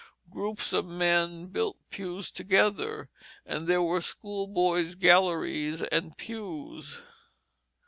Groups of men built pews together, and there were schoolboys' galleries and pews.